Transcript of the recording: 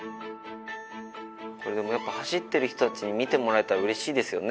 これでもやっぱ走ってる人達に見てもらえたら嬉しいですよね？